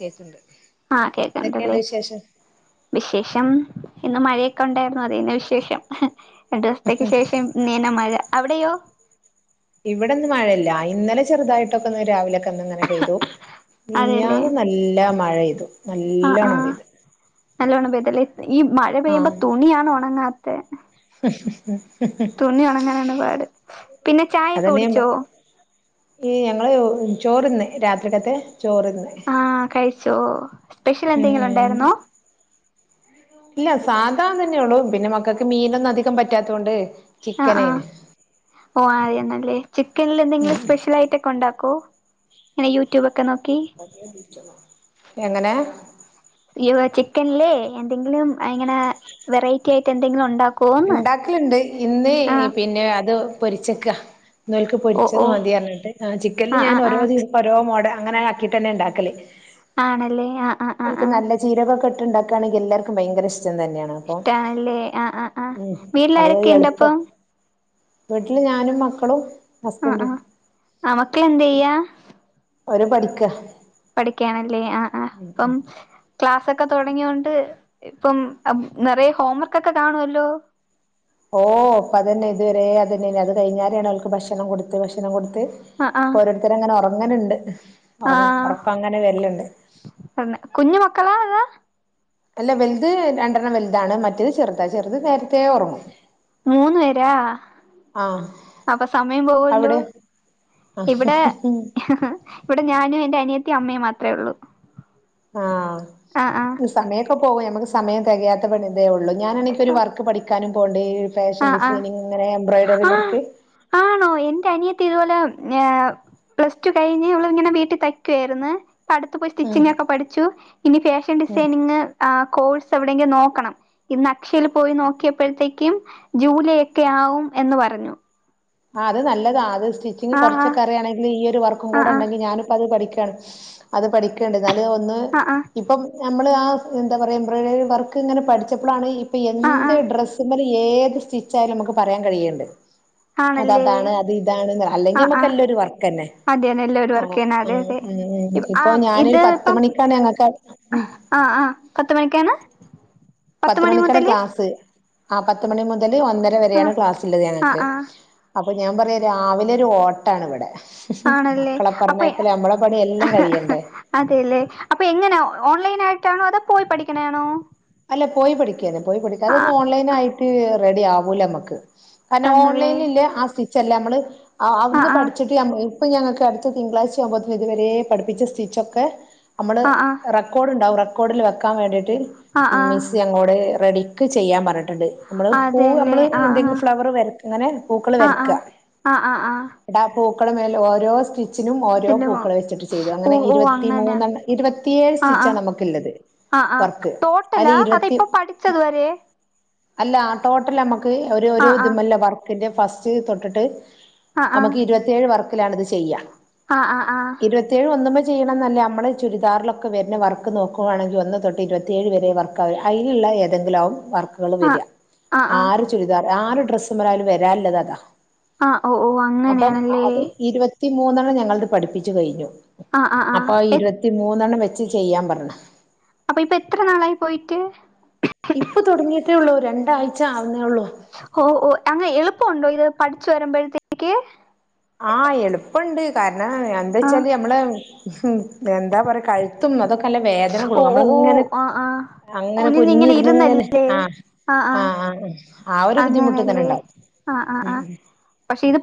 കേക്ക്ണ്ട് ആ കേക്കണ്ടല്ലേ എന്തൊക്കെയുണ്ട് വിശേഷം വിശേഷം ഇന്ന് മഴയൊക്കെണ്ടായിരുന്നു അതന്നെയാ വിശേഷം. രണ്ടുസ്ത്തേക്ക് ശേഷം നീന മഴ അവടെയോ? ഇവടെന്ന് മഴയില്ല ഇന്നലെ ചെറുതായിട്ടൊക്കൊന്ന് രാവിലൊക്കങ്ങങ്ങനെ പെയ്തു. അതെല്ലേ മിഞ്ഞാന്ന് നല്ല മഴെയ്തു ആഹ് നല്ലോണം ആഹ് പെയ്ത്. നല്ലോണം പെയ്തല്ലേ? ഈ മഴ പെയ്യുമ്പ തുണിയാണ് ഒണങ്ങാ ത്തെ. [unintelligible] തുണി ഒണങ്ങാനാണ് പാട്. പിന്നെ അതന്നെ ഞാൻ പ ചായക്കൊടിച്ചോ? ഈ ഞങ്ങള് ചോറിന്ന്‌ രാത്രിക്കത്തെ. ചോറിന്ന്. ച്ചോ? സ്പെഷ്യൽ ഉം ഉം എന്തെങ്കിലുണ്ടായിരുന്നോ? ഇല്ല സാധാ തന്നയൊള്ളു പിന്നെ മക്കക്ക് മീനൊന്നും അധികം പറ്റാത്തൊണ്ട് ആ ആ ഓ ആയിരുന്നല്ലേ ചിക്കനിൽ ഉം എന്തെങ്കിലും സ്പെഷ്യലായിറ്റക്കെണ്ടാക്കുവോ? ങ്ങനെ യൂട്യൂബെക് എങ്ങനെ? യിവ ചിക്കൻലേ എന്തെങ്കിലും ആ ഇങ്ങനെ വെറൈറ്റി ആയി എന്തെങ്കിലും ഒണ്ടാ ഇണ്ടാക്കല്ണ്ട് ഇന്ന് പിന്നെ അത് പൊരിച്ചേക്ക. ഇന്നോൽക്ക് ഓ പൊരിച്ചത് ഓ മതി അറിഞ്ഞിട്ട് ആ ചിക്കൻല് ആഹ് ഞാൻ ആഹ് ഓരോ ആഹ് ദിവസം ഓരോ മോഡ അങ്ങനെ ആക്കിട്ടന്നെണ്ടാക്കല്. ആണല്ലേ ആ ആ ആ ആ ജീരകൊക്കെ ഇണ്ടാക്കാണെങ്കി എല്ലാർക്കും ഭയങ്കര ഇഷ് ഇഷ്ട്ടാണല്ലേ ആ ആആ ആ ഉം അത് വീട്ട്ലാരെക്കെ എളുപ്പ ഇണ്ടപ്പം? വീട്ടില് ഞാനും മക്കളും ആ ആ ഹസ്ബൻഡും ആ മക്കളെന്തെയ്യ? ഒരു പഠിക്ക പഠിക്കാനല്ലേ അ ക്കെ തുടങ്ങിയോണ്ട് ഇപ്പം നിറയ ഹോംവർക്ക്ൊക്കെ കാണുവല്ലോ ഓ അപ്പൊ അതന്നെ ഇതുവരെ അതന്നെന്നെ അത് കയിഞ്ഞാലാണ് അവൾക്ക് ഭക്ഷണം കൊടുത്ത് ഭക്ഷണം കൊടു ത്ത്‌ ആഹ് ആഹ് ഇപ്പോരോരുത്തങ്ങനെ ഒറ അങ്ങനെണ്ട് ആഹ് തന്നെ കുഞ്ഞു മക്കളാ അതാ അല്ല വലുത് രണ്ടെണ്ണം വലുതാണ് മറ്റേത് ചെറുതാ ചെറുത് നേരത്തെ ഒറങ്ങും മൂന്ന് പേരാ അപ്പൊ സമയം പോവുല്ലോ അവിടെ ആഹ് ഇവടെ ഇവടെ ഞാനും എന്റെ അനിയ ത്തീം അമ്മേം മാത്ര ഒള്ളൂ ആഹ് ആഹ് ആഹ് ത് സമയ ക്കെ പോകും ഞമ്മക്ക് സമയ തെകയാത്ത പെണ് ഇതേ ഒള്ളൂ ഞാനെനിക്കൊരു ഒരു വർക്ക് പഠിക്കാനും പോണ്ടേ ഫാഷൻ ആഹ് ആഹ് ഡിസൈനിങ് ങ്ങനെ എംബ്രോയിഡറി വർക്ക് ത്തി ഇതുപോലെ ഞാഹ് പ്ലസ് ടു കഴിഞ്ഞ് അവള് ഇങ്ങനെ വീട്ടി തയ്ക്കുവാരുന്ന് പ്പ അടുത്ത് പോയി ഉം സ്റ്റിച്ചിങ് ഒക്കെ പഠിച്ചു ഇനി ഫാഷൻ ഡിസൈനിങ് ആ കോഴ്സ് എവിടെയെങ്കും നോക്കണം ഇന്ന് അക്ഷെല് പോയി നോക്കിയപ്പോഴത്തേക്കും ജൂലൈ ഒക്കെ ആവും എന്ന്ന് പറഞ്ഞു. ആ അത് നല്ലതാ അത് സ്റ്റിച്ചിങ് ആഹ് കുറച്ചൊക്ക അറിയയാണെങ്കി ഈ ഒരു വർക്കു ആഹ് കൂടെ ആഹ് ഉണ്ടെങ്കി ഞാനു പത് പഠിക്കും ക്കാണ് അത് പഠിക്ക്ണ്ട് എന്നല് ഒന്ന് ആഹ് ആഹ് ഇപ്പം നമ്മള് ആ എന്താ പറയാ എംബ്രോയിഡറി വർക്ക് ഇങ്ങനെ പഠിച്ചപ്പളാണ് ആഹ് ആഹ് എന്ത് ആഹ് ട്രസ് ഏത് സ്റ്റിച്ചായാലും നമുക്ക് പറയാൻ കഴിണ്ട് ആണല്ലേ അതതാണ് അത് ഇതാണ് അല്ലെങ്കി ആഹ് നമ്മക്ക് ആഹ് എല്ലാം ഒരു വർക്കന്നെ അതെന്നെ എല്ലാവരും ആ വർക്ക് ചെയ്യണ അതെ അതെ ഇപ്പൊ ആഹ് ഞാനൊരു ഇത് പത്ത് ഇപ്പം മണിക്കാണ് ഞമ്മക്ക് ആഹ് ആഹ് പത്ത് മണിക്കാണ് പത്ത് മണി മണിക്കാണ് മുതല് ക്ലാസ് ആ പത്ത് മണി മു മുതല് ഒന്നര വരെയാണ് ആഹ് ക്ലാസ്ള്ളത് ആഹ് ഞങ്ങക്ക് ആഹ് അപ്പോ ഞാൻ പറയാം രാവിലെ ഒരു ഓട്ടണിവിടെ. ആണല്ലേ അപ്പൊ പണി എല്ലാം കഴിയണ്ടേ അതെല്ലേ അപ്പൊ എങ്ങനെ ഓ ലൈനായിട്ടണോ അതോ പോയി പഠിക്കണെണോ അല്ല പോയി പഠിക്കതെ പോയി പഠിക്ക അതൊ ഓൺലൈനായിട്ട് റെഡി ആകൂലമ്മക്ക് കാരണം തന്നല്ലേ ഓൺലൈനില്ലെ ആ സി ചല്ലമ്മള് ആ അവിടുന്ന് പഠിച്ചിട്ട് മ്മ ഇപ്പൊ ഞങ്ങൾക്ക് അടുത്ത തിങ്കളാഴ്ച അമ്പത്തൊ ഇത് വരെ പഠിപ്പിച്ച സ്റ്റിച്ചൊക്കെ നമ്മള് ആ ആ റെക്കോർഡ് ഉണ്ടാവുംറെ കൂടി വക്കാൻ വേണ്ടീട്ട് ആ ആ മിസ് അങ്ങോടെ റെഡി ക്ക് ചെയ്യാൻറണം ന അതെല്ലേ നമ്മള് ആ ആ എന്തെില ഫ്ലവർ അങ്ങനെ പൂക്കൾ ആ ആ വരക്ക ആ ആ ആ മേല ഓരോ സ്റ്റിച്ച് ിനും ഓരോ ചെല്ലുമോ പൂക്കൾ വെച്ചിട്ട് ചെയ്തു ഓ അങ്ങനെ ഓ ഇരുപത്തി അങ്ങനെ മൂന്നണ് ഇരുപത്തിയേഴ് ആ ആ സ്റ്റിച്ചാണ് നമുക്ക ഉള്ളത് ആ ആ വർക്ക് ടോട്ടലാ അതില് അത ഇപ്പൊ ഇരുപത്തി പഠിച്ചത് വരെ അല്ല ടോട്ടലമ്മക്ക് ര ആ രോ ആ ഇതുമല്ല വർക്ക് ന്റെ ഫസ്റ്റ് തൊട്ടിട്ട് ആ ആ നമുക്ക് ഇരുപത്തിയേഴ് വർക്കിലാണിത് ചെയ്യാം ആ ആ ആ ഇരുപത്തിയേഴ് വന്ന ചെയ്യണംമല്ല നമ്മള് ചരിദറിലൊക്കെ വുന്ന വർക്ക് നോക്കുയാണെങ്കിൽ ഒന്ന് തൊട്ട് ഇരുപേഴ് വര വ അതിുള്ള ഏെങ്കിലും വർക്ക് ആ വരി ആ ചുരിദാർ ആരു ഡ്രസ്സ പറാലും വരല്ലത് അതാ ആ് ഓ ഓ അങ്ങനെയാണല്ലേ ഈ മൂന്നെണ്ണം ഞങ്ങളത് പഠിിച്ചു കഴിഞ്ഞു ആ ആ ആ അപ്പൊ എ ഇരുപത്തി മൂന്നെണ്ണം വെ ചെയ്യാൻ പറണ അപ്പൊ ഇപ്പൊ എത്ര നാളായി പോയിട്ട് ഇപ്പൊ തുടങ്ങിട്ട അള്ളൂ രണ്ടാ്ച ഓ ഓ അങ്ങനെ എളുപ്പുണ്ടോ ഇത് പഠിച്ചു വരുമ്പോഴത്തേക്ക് ആഹ് എളുപ്പുണ്ട് കാര എന്നാ എന്താ ആഹ് വെച്ചാല് നഞമ്മള് ഹ എന്താ പറയാ കഴുത്തും അതൊക്കെ അല്ല വേദന ഓ കൊടുും ഓ നമ്മള ഓ ഇങ്ങനെ ആഹ് ആഹ് അങ്ങനെ കുഞ്ഞി കുനിഞ്ഞിങ്ങനെ ഇരുന്ന് ഇങ്ങനെ ഇരുന്നല്ലേ ആ ആഹ് ആ് ആഹ് ആ് ആ ആ ഒരു ബുദ്ധിമുട്ട് ഇങ്ങനെ അങ്ങനല്ലേ ഉണ്ടാവും ഉ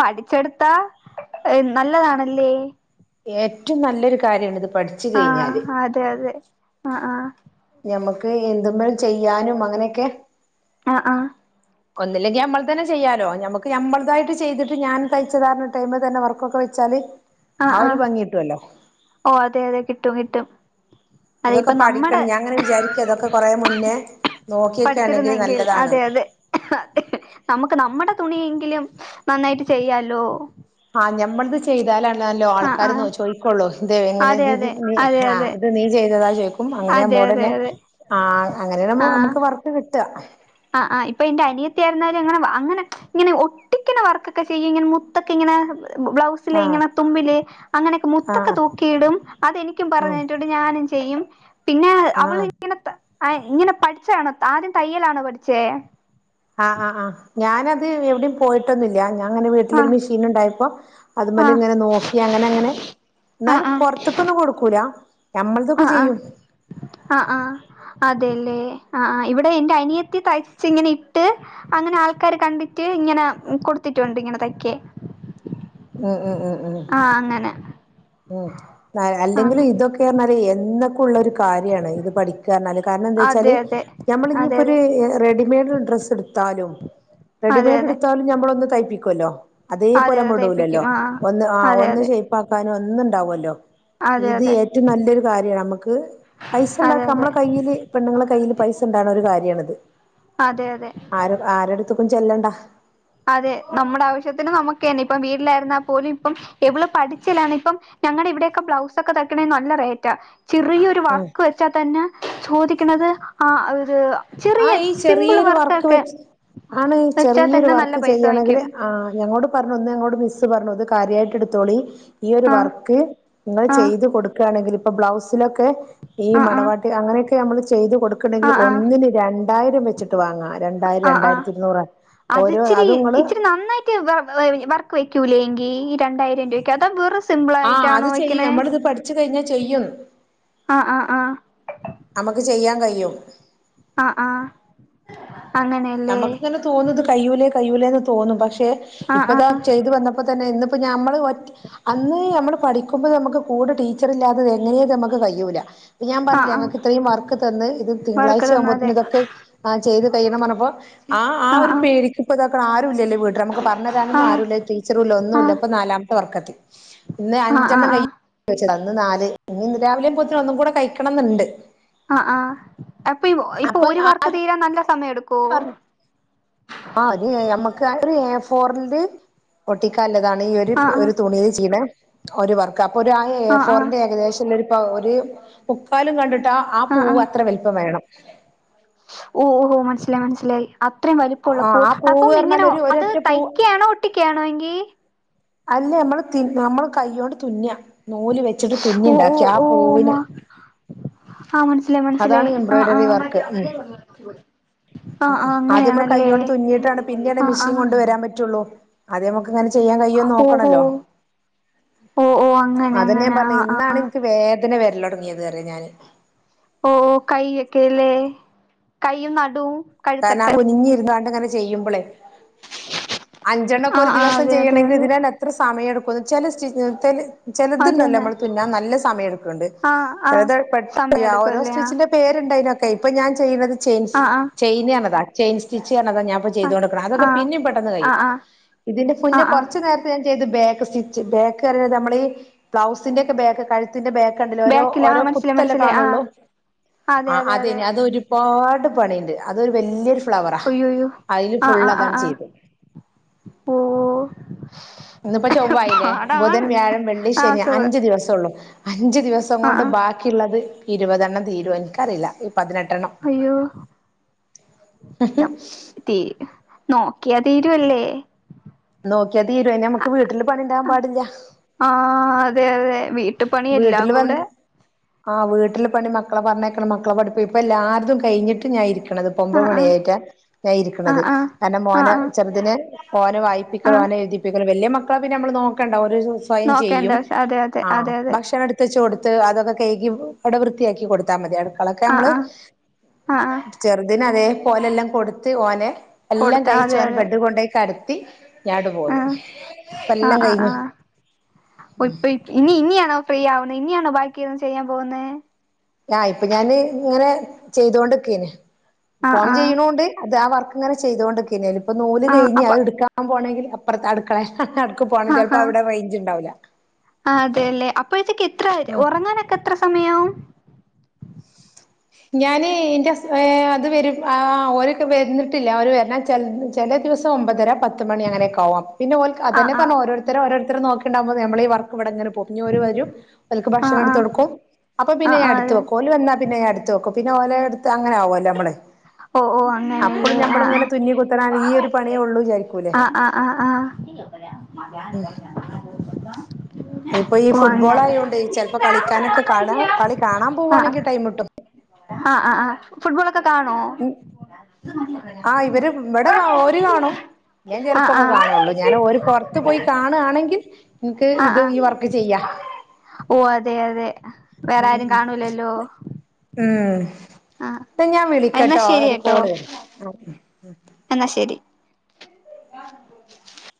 പഠിച്ചെട്ത്താ നല്ലതാണല്ലേ ഏറ്റോം നല്ലൊര് കാര്യമാണ് ഇത് പഠിച്ചു ആാ കഴിഞ്ഞാല് അതെ അതെ ആാ ആാ ഞമ്മക്ക് എന്ത് മെല് ചെയ്യാനും അങ്ങനെയൊക്കെ അഹ് ആഹ് ഒന്നില്ലെങ്കി നമ്മള് തന്നെ ചെയ്യാലോ ഞമ്മക്ക് നമ്മളെതായിട്ട് ചെയ്തിട്ട് ഞാൻ തെയ്ച്ചതാറ്ണ് ഇട്ട് അയ്മെതന്നെ വർക്കൊക്കെ വെച്ചാല് അഹ് ആ ഒരു ആഹ് ഭംഗി കിട്ടുവല്ലോ ഓഹ് അതെ അതെ കിട്ടും കിട്ടും അത് ഇതൊക്കെ ഇപ്പം നമ്മടെ പഠിക്കണം ഞാൻ അങ്ങനെ വിചാരിക്ക ഇതൊക്കെ കൊറേ മുന്നേ നോക്കിയൊക്കെ ആണെങ്കിൽ പഠിച്ച്ര്ന്നെങ്കിൽ നല്ലതാണ് അതെ അതെ നമക്ക് നമ്മടെ തുണിയെ- ങ്കിലും നന്നായിട്ട് ചെയ്യാലോ ആഹ് ഞമ്മൾത് ചെയ്താലാണ് നല്ലോ ആഹ് ആൾക്കാര് ആഹ് നെ ചോയ്ക്കൊള്ളൂ ഇത് എങ്ങനെ അതെ നീ ഇത് അതെ അതെ അതെ ആഹ് നീ ചെയ്താ ചോയി ക്കും അങ്ങനെ അതെ അതെ നമ്മോടെന്നെ അതെ ആഹ് അങ്ങനെ നമ്മക്ക് വർക്ക് കി ഇറ്റ അഹ് അഹ് ഇപ്പൊ ഇന്റെ അനിയത്തി ആയര്ന്നാലും അങ്ങനെ അങ്ങനെ ച്ചും ഇങ്ങനെ ഒട്ടിക്ക്ന്നാ വർക്കൊക്കെ ചെയ്യും ഇങ്ങനെ മുത്തൊക്കെ ഇങ്ങനെ ബ്ലൗസില് ആഹ് ഇങ്ങനെ തുമ്പില് അങ്ങനൊക്കെ മുത്തൊക്കെ ആഹ് തൂക്കിയിടും അത് എനിക്കും പറഞ്ഞ് ആഹ് തന്നിട്ടുണ്ട് ഞാനും ചെ ചെയ്യും പിന്നെ അവള് ആഹ് ഇങ്ങനത്തെ ആഹ് ഇങ്ങനെ പഠിച്ചാണ് ത ആദ്യം തയ്യലാണോ പഠി ചേ ആഹ് ആഹ് ആഹ് ഞാനത് എവെടിംപോയിട്ടൊന്നുല്ല ഞാൻ അങ്ങനെ വീട്ടിലൊരു ആഹ് മിഷീൻ ഉണ്ടായപ്പം അതിമെല് ആഹ് ഇങ്ങനെ നോക്കി അങ്ങനെ അങ്ങനെ ഞമ്മൾതൊക്കെ അഹ് ചെയ്യും അഹ് അഹ് അഹ് അതേലെ അഹ് അഹ് ഇവിടെ എന്റെ അനി ത്തി തെയ്ച്ച് ഇങ്ങനെ ഇ ഇട്ട് അങ്ങനെ ആൾക്കാര് കണ്ടിട്ട് ഇങ്ങനെ കൊട്ത്തിട്ടൊണ്ട് ഇങ്ങനെ തെയ്ക്കാൻ ഉം ഉം ഉം ഉം ആഹ് അങ്ങനെ ഉം ന അല്ലെങ്കിലും ആഹ് ഇതൊക്കെ എന്ന് പ ഉള്ളൊര്ക്ക് കാര്യാണ് ഇത് പഠിക്കാറ്ന്നാല് കാര്ണം എന്ത് അതെ വെച്ചാല് അതെ നമ്മള് ഇഞ് അതെ അതെ ഇപ്പൊര് റെഡിമെയ്ഡ് ഡ്രസ്സ് ഇട്ത്താലും അതെ റെഡിമെഡ് അതെ എട്ത്താലും നമ്മള് ഒന്ന് തെ ക്കുല്ലോ അതെ അതേപലെ അതെ നമ്മള് ഇടൂലല്ലൊ തേപ്പിക്കും ആ ഒന്ന് ആഹ് അതെ ഒന്ന് അതെ ഷെയ്പ്പാക്കാൻ ഒന്നുണ്ടാവൊല്ലോ അതെ ഇത് അതെ അതെ ഏറ്റം നല്ലൊരു കാര്യാണ് നമ്മക്ക് പൈസ ഇണ്ടാക്ക അതെ എമ്മളെ കയ്യില് പെണ്ണുങ്ങളെ കയ്യിൽ പൈസ ഇണ്ടാവ്ണൊരു കാര്യാണ്ത് അതെ അതെ ആര ആരെട്ത്ത് കു ചെല്ലണ്ട അതെ നമ്മുടെ ആവശ്യത്തിന് നമുക്ക്ന്നെ ഇപ്പം വീട്ടിലായിരുന്നാ പോലും ഇപ്പം എവളും പഠിച്ചലാണ് ഇപ്പം ഞങ്ങളുടെ ഇവിടെയൊക്കെ ബ്ലൗസ ഒക്കെ തയ്ക്കണ നല്ല റേറ്റാ ചെറിയൊരു ആ വർക്ക് വെച്ചാൽ തന്നെ ചോദിക്ക ആ ആ ചെറിയ ഈ സിമ്പിൾ ചെറിയൊരു വർക്ക് വർക്കൊക്കെ വെച്ച് ആണ് ഈ വെച്ചാൽ ചെറിയൊരു തന്നെ നല്ല വർക്ക് പൈസ ചെയ്യണെങ്കിൽ വാങ്ങിക്കും ഞോട് പറഞ്ഞോ മ പറഞ്ഞത് കാര്യമായിട്ട് എടുത്തോളി ഈ ഒരു ആ വർക്ക് നിങ്ങൾ ആ ചെയ്ത് കൊടുക്കുകയാണെങ്കിൽ ഇപ്പ ബ്ലൗസിലെ ഈ ആ ആ മടവാട്ട് അങ്ങനെൊ മ്മ ചെയ്തു ആ കൊടുക്കണമെങ്കിൽ ആ ഒന്നിന് രണ്ടായിരം വെച്ചിട്ട്ാങ്ങ ആ ആ അത്ച്ചിരി അത് ഇങ്ങള് ഇച്ചിരി നന്നായിട്ട് വർക്ക് വെക്കൂല്ല എങ്കിൽ ഈ രണ്ടായിരം രൂപയ്ക്ക് അത വെറ ആ് അത് ചെയ്യും നമ്മളിത് പഠിച്ചു കഴിഞ്ഞാ ചെയ്യും ആഹ് ആഹ് നമുക്ക് ചെയ്യാൻ കഴിയും അരം ആഹ ആഹ നമുക്ക്ന്നെ തോന്നുന്നത് കയ്യലേ കഴയിൂല എന്ന് തോന്നും പക്ഷേ ആഹ് ഇപ്പതാ ആഹ് ചെയ്ത് വന്നപ്പോ തന്നെ ഇന്നിപ്പോ നമ്മൾ അന്ന് ഞമ്മൾ പഠിക്കുമ്പോ നമുക്ക് കൂടെ ടീച്ചർ ഇല്ലാത്തത് എങ്ങനെയ നമ്മുക്ക് കഴിയൂല ഞാൻ ആഹ് പറഞ്ഞില്ല ആഹ് ഞങ്ങൾക്ക് ഇത്രയും വർക്ക് തന്ന ഇത് വർക്ക് തിങ്കളാഴ്ച തന്നാതെ ആവുമ്പോത്തന്നന് ഇതൊെ ചെയ്ത് കഴിയണം പറഞ്ഞപ്പോ ആ ആ ആഹ് ഒരു ആഹ് പേര്ക്ക് ഇതാക്ക ആല്ലേ വീട്ട നമു ആഹ് പറഞ്ഞുരാൊന്നുംല്ല ടീച്ചറൂല്ല ഒന്നുമ ഇല്ല ആഹ് ഇപ്പ നാലാം വർക്കത്തി ഇന്ന് ആഹ് ആഹ് അഞ്ചെണ്ണം കഴ ആഹ് ന്ന് നാല് ഇനി ഇന്ന് രാവിലെയും പോത്തി ഒന്നും കൂടെ കഴിക്കണംന്നുണ്ട് ആഹ ആഹ അപ്പൊ ഇപ്പൊ അപ്പൊ ഒരു വർക്ക് തീരാൻ നല്ല സമയം എടുക്കും കു ആ അത് നമ്മക്ക് ഫോറി പട്ട നല്ലതാണ് ഈ ഒരു ആഹ് ആഹ് ഒരു തുണിൽ ചീണ ഒരു വർക്ക ഒ ആയ ആഹ് ഫോറിന്റെ ഏകദേശം ഒരു ഇ ഒരു മുക്കാലും കണ്ടിട്ട് ആ പൂവ് അത്ര വലുപ്പം വേണം ഓ ഓഹോ മനസ്സിലായി മനസ്സിലായി അത്രയും വലിപ്പ ആ ഉള്ളപ്പോ ആ പൂവ് അപ്പം പറഞ്ഞാൽ ഇങ്ങനെ ഒരു അത് ഒരൊറ്റ പൂവ് തയ്ക്കയാണോ ഒട്ടിക്കാണോ എങ്കിൽ അല്ല നമ്മള് നമ്മള് കൈ കൊണ്ട് തുന്ന നൂല് വെ ഓ ഓ ഓ ഓ ആ മനസിലായി മനസ്സിലായി അതാണ് ആ ആ ഉ ആദ്യം നമ്മ കൈോണ്ട് തുന്നിയിട്ടാണ് പിന്നെയാണ് ആഹ് മിസ്സി ആഹ് കൊണ്ട് വരാൻ പറ്റുള്ളൂ അതെ അങ്ങനെ ചെയ്യാൻ കഴോന്ന് ഓഹോ നോക്കണല്ലോ ഓഹ് ഓഹ് അങ്ങനെ അതന്നെ ഞാൻ അങ്ങനെ പറഞ്ഞ ആഹ് ഇന്നാണ് ആഹ് എനിക്ക് െ വരല തുടങ്ങിയത് കേറിയ ഞാാന് ഓ കൈ ഒക്കെല്ലേ കൈയും നടും കാരണം ആ കുനിഞ്ഞിരരുന്നുാണ്ട്ങ്ങനെ ചെയ്യുമ്പോളേ അഞ്ചെണ്ണക്കെ ഒരു ആഹ് ആഹ് ദിവസം അതെ അതെ ചെയ്യണമെങ്കിൽ അതെ ഇതിനാൽ എത്ര സമയം എടുക്ക ചല സ്റ്റ ചെിലതുണ്ടല്ലോ അതന്നെ നമ്മള് തുന്നാൻ നല്ല സമയം എടുക്കണ്ട് ആഹ് ആഹ് ചെിലത് പെട്ട സമയം ഓരോ എടുക്കുംല്ലേ ആഹ് സ്റ്റിച്ചിന്റെ പേരുണ്ടതിനൊക്കെ ഇപ്പൊ ഞാൻ ചെയ്യുന്നത് ചേഞ്സ് ആഹ് ാ ചെയി സ്റ്റ ഞാ ചെയ്ത ആഹ് കൊടുക്ക അതൊക്കെ ആഹ് പിന്നും പെട്ടെന്ന് ആഹ് കിയും ആഹ് ആഹ് ഇതിന്റെുന്നെ ആഹ് ആഹ് കുറു നേര ഞാ ചെയ് ബാക്ക് സ്റ്റിച്ച് ബാക്ക് നമ്മൾ ഈ ബ്ലൗസിന്റെ ഒക്കെ ബാക്ക് കഴ ന്റെ ബേക്കണ്ട ഓോ ബാക്കില് ഓരോ ആഹ് മനസ്സിലായി കുത്തല്ലേ മനസ്സിലായി കാണുള്ളൂ ആഹ് അതെ ആ അതെ അത അതെ അത് ഒരുപാട് പതിനണ്ട് അതൊരു വല്യൊരു ഫ്ലവറാ ഒ്യോയ്യോ അതില് ആ ഫുള്ള് അതാണ് ചെയ്ത് ഓ ഇന്ന്ിപ്പോ ചൊവ്വായില്ലേ ബുധൻ വ്യാഴം വെള്ളി ആഹ് ശനി ചൊവ്വെ അഞ്ചു ദിവസംള്ളു അഞ്ചു ദിവസം ആഹ് കൊണ്ട് ആഹ് ബാക്കിയുള്ളത് ഇരുപതെണ്ണം തീരും എനിക്കറിയില്ല ഈ പതിനെട്ടെണ്ണം അയ്യോ തീ നോക്കിയാ തീരുവല്ലേ നോക്കിയാ തീരും അയിന് നമ്മുക്ക് വീട്ടില് പണി ഉണ്ടാവൻ പാടില്ല വീ ട്ടുപണിയെല്ലാം കൂടെ ആഹ് വീട്ടില് പണി മക്കളെ പറഞ്ഞയക്കണം മക്കള പഠപ്പി ഇപ്പൊ എല്ലാര്ടും കഴിഞ്ഞിട്ട് ഞായിരിക്കും ഇപ്പോ ഒമ്പത് ആഹ് ആഹ് മണിയായിട്ടാ ഞാൻ ഇരിക്കണത് ആഹ് ആഹ് കാരണം മോന ആഹ് ആഹ് ചെറുതിന് ഓനെ വായിപ്പിക്കും ആഹ് ഓനെ എഴുതിപ്പിക്കും വലിയ മ ക്കളെ പിന്നെ നമ്മൾ നോക്കണ്ടാ ഓ നോക്കേണ്ടവശ്യം അതെ അതെ അതെ അതെ ഭക്ഷണം എടുത്തച്ച് കൊടു ത്ത് അതൊക്കെ കയുകി അവിടെ വൃത്തിയാക്കി കൊടുത്തൽ മതി മക്കളൊക്കെ ആഹ് നമ്മള് ആഹ് ആഹ് ആഹ് ചെറുതിനെ അതെ പോലെല്ലാം കൊടുത്ത് ഓനെ എല്ലാം കൊടുത്താ കഴിച്ചു അതെ ഓനെ അതെ ബെഡ് കൊണ്ടേയി കിട ത്തി ആഹ് ആഹ് ആഹ് ആഹ് ഓഹ് ഇപ്പ ഇനി ഇനിയാണോ ഫ്രീ ആവുന്ന ഇനിയാണോ ബാക്കിന്ന് ചെയ്യാൻ പോകുന്നെ ആഹ് ഇപ്പൊ ഞാന് ഇങ്ങനെ ചെയ്തോണ്ടിക്കേന് ആഹ് ഫോൺ ആഹ് ചെയ്യണോണ്ട് അത് വർ അങ്ങനെ ചെയ്തൊണ്ട് ഇക്കായിനു നുല് ആഹ് കഴിഞ്ഞ് അപ്പ അതെടുക്കാൻ പോണെങ്കിൽ അപ്പറത്തെ അടക്കളെ നടക്ക്‌ പോണം ആഹ് ആഹ് ചിലപ്പോൾ അവിടെ റേഞ്ച് ഉണ്ടാവില്ല ആഹ് അതെയല്ലെ അപ്പോഴ്ത്തെക്ക്‌ എത്ര ഉം ഉറങ്ങാനൊക്കെ എത്ര സമയവും ഞാന് എന്റെ ഹസ് ഏഹ് അത് വരും ഒര് വരുന്നിട്ടില്ല ഒര് വരൻ ചില ദിവസം ഒമ്പതര പ ത്ത് മണി അങ്ങനെ ആവാം പിന്നെ ഓൾക്ക് ആഹ് അതന്നെ പറഞ്ഞ ആഹ് ഓരോരുത്തര ഓരോരു തരേ നോ ണ്ടുമ്പോ നമ്മള ഈ വർക്കിവിടിങ്ങനെ പോവും ഇനി ഒരു വരും ഒല്ക്ക് ഭക്ഷണം ആഹ് എടുത്ത് കൊടുക്കും അപ്പൊ ആഹ് പിന്നെ ആഹ് ഞാൻ ആഹ് എടുത്ത് അതെ വെക്കും ഓല് വന്നാ പിന്നെ ഞാനെടു പിന്നെ ഓലെ എടുത്ത് അങ്ങനെ ആവുവല്ലേ നമ്മള് ഓ ഓ അപ്പഴ് അങ്ങനെയല്ലേ ആഹ് നമ്മളിങ്ങനെ തുന്നി കുത്തന ഈ ഒരു പണിയേ ഉള്ളു വിചാരിക്കൂല്ലേ ആഹ് ആഹ് ആഹ് ആഹ് ഉം ഇപ്പൊ ഈ ഓ അങ്ങനെ ഫുട്ബോൾ ആയോണ്ട് ചിലപ്പോ കളിക്കാനൊക്കെ കാണ കളി കാണാൻ പോവുവാണെങ്കിൽ ടൈം കിട്ടും ഹാ ആഹ് ആ ഫുട്ബോളൊക്കെ കാണോ? ആ ഇവര് ഇവിടെ കാ ഓരു കാണും ഞാൻ ആഹ് ചിലപ്പോൊക്കെ ആഹ് കാണുള്ളൂ ഞാൻ ഓര് പുറത്ത് പോയി കാണുകാണെങ്കിൽ നിക്ക് ഇത് ഈ വർക്ക് ചെയ്യാ ഓഹ് അതെ അതെ വേറാരു ഉം കാണൂലല്ലോ ആഹ് പ്പ ഞാൻ എന്നാ വിളിക്കട്ടോ ശരി ഒരു കേട്ടോ കോള് വര് ഉം ഉം ഉം എന്നാ ശെരി [unintelligible]